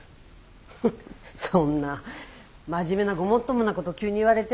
フッそんな真面目なごもっともなこと急に言われても。